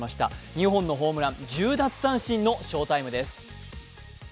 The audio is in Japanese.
２本のホームラン、１０奪三振の翔タイムです。